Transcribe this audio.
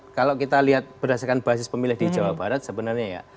kalau kita lihat berdasarkan basis pemilih di jawa barat sebenarnya ya